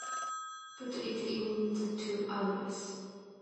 Put it in the to address